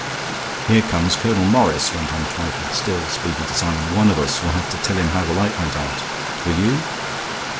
"Here comes Colonel Morris," went on Twyford, still speaking to Symon. "One of us will have to tell him how the light went out. Will you?"